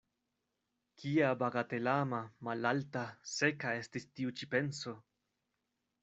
Kia bagatelama, malalta, seka estis tiu ĉi penso!